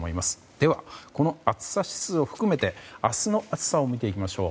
では、この暑さ指数を含めて明日の暑さを見てきましょう。